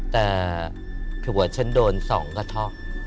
แต่ผัวฉันโดนสองกระทอก